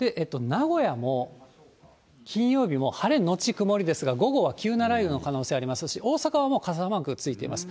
名古屋も金曜日も晴れ後曇りですが、午後は急な雷雨の可能性がありますし、大阪はもう傘マークついています。